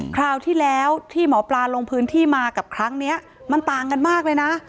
คราวที่แล้วที่หมอปลาลงพื้นที่มากับครั้งนี้มันต่างกันมากเลยนะ